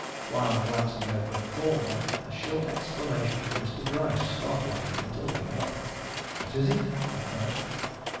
While glancing over the former, a short exclamation from Mr. Gryce startled me into looking up. "What is it?" I cried.